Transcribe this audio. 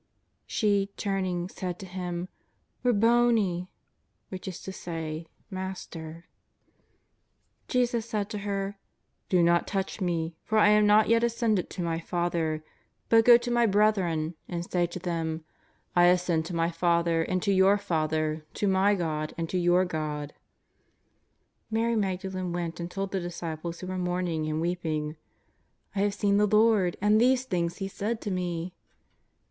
She, turning, said to Him: " Rabboni," which is to say: Master. JESUS OF NAZAKETH. 379 Jesus said to her :" Do not touch Me, for I am not yet ascended to My Father ; but go to My brethren and say to them : X ascend to My Father and to your Father, to My God and to your God." Mary Magdalen went and told the disciples, who were mourning and weeping: " I have seen the Lord and these things He said to me.''